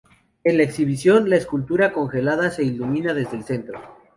En la exhibición, la escultura congelada se ilumina desde dentro.